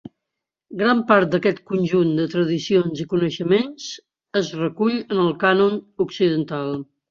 Gran part d'aquest conjunt de tradicions i coneixements es recull en el cànon occidental.